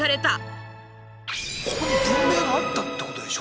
ここに文明があったってことでしょ？